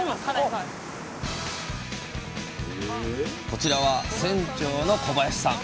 こちらは船長の小林さん。